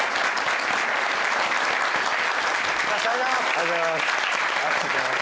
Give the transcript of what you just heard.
ありがとうございます。